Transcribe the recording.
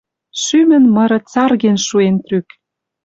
Шӱмӹн мыры царген шуэн трӱк...